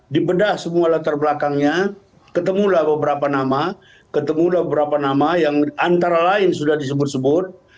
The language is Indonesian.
dibedah semua latar belakangnya ketemulah beberapa nama ketemulah beberapa nama yang antara lain sudah disebut sebut